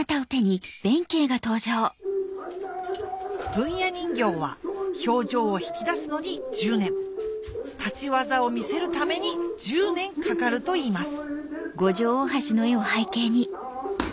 文弥人形は表情を引き出すのに１０年立ち技を見せるために１０年かかるといいます